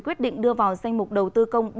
quyết định đưa vào danh mục đầu tư công